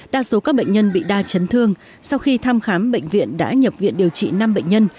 đa số các bệnh nhân bị đa chấn thương sau khi thăm khám bệnh viện đã nhập viện điều trị năm bệnh nhân